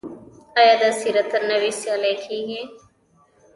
آیا د سیرت النبی سیالۍ کیږي؟